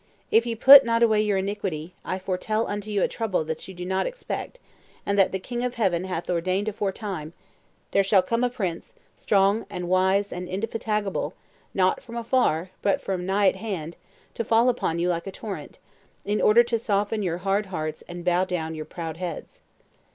If ye put not away your iniquity, I foretell unto you a trouble that ye do not expect, and that the King of Heaven hath ordained aforetime; there shall come a prince, strong and wise and indefatigable, not from afar, but from nigh at hand, to fall upon you like a torrent, in order to soften your hard hearts and bow down your proud heads.